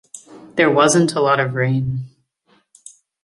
There wasn’t a lot of rain